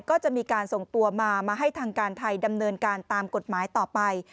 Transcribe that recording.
ก็จะมีการส่งตัวมามาให้ทางการไทยดำเนินการตามกฎหมายต่อไป